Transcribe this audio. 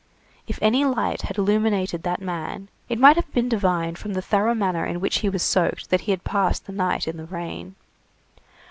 If any light had illuminated that man, it might have been divined from the thorough manner in which he was soaked that he had passed the night in the rain.